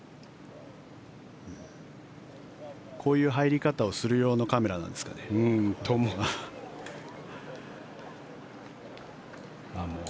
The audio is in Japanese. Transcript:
こういう入り方をする用のカメラなんですかね？と思う。